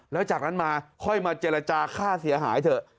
แล้วจากนั้นมาค่อยมาเจรจาค่าเสียหายเถอะ